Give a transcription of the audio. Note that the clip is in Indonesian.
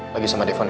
lagi sama devon ya